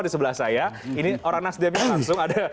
di sebelah saya ini orang nasdem yang langsung ada